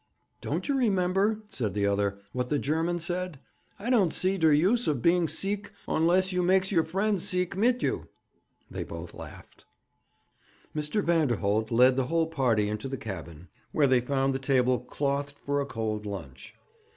'Don't you remember,' said the other, 'what the German said? "I don't see der use of being seek onless you makes your friends seek mit you."' They both laughed. Mr. Vanderholt led the whole party into the cabin, where they found the table clothed for a cold lunch.